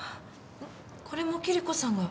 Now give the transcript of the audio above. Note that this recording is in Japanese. これもキリコさんが？